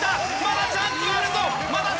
まだチャンスはあるぞ！